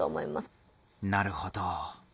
なるほど。